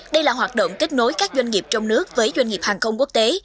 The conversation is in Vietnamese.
đây là hoạt động kết nối các doanh nghiệp trong nước với doanh nghiệp hàng không quốc tế